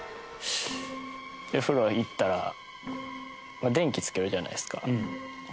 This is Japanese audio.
で風呂行ったら電気つけるじゃないですか。